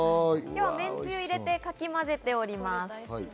今日は、めんつゆを入れてかき混ぜております。